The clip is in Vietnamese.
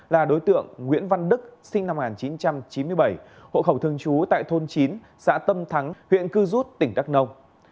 là đối tượng nguyễn văn đức sinh năm một nghìn chín trăm chín mươi bảy hộ khẩu thường trú tại thôn chín xã tâm thắng huyện cư rút tỉnh đắk nông